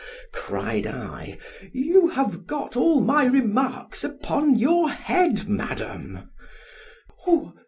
cried I—you have got all my remarks upon your head, Madam!